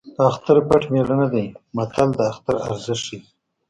اختر پټ مېړه نه دی متل د اختر ارزښت ښيي